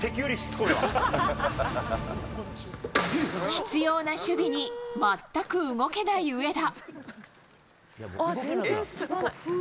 執拗な守備に全く動けない上田。